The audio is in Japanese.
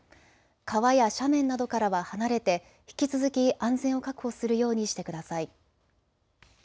川や斜面などからは離れて引き続き安全を確保するようにしてください。